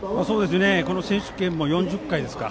この選手権も４０回ですか。